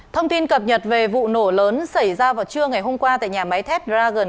thông tin cập nhật về vụ nổ lớn xảy ra vào trưa ngày hôm qua tại nhà máy thép dragon